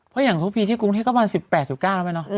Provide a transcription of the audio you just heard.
ว่าอย่างทุกปีที่กรุงเทศก็มาสิบแปดสิบเก้าแล้วไหมเนอะอืม